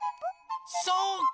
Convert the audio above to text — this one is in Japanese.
そうか！